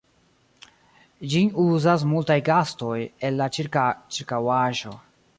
Ĝin uzas multaj gastoj el la ĉirkaŭaĵo.